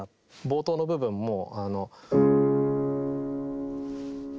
冒頭の部分も。